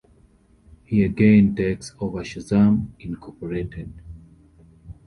He again takes over Shazam Incorporated.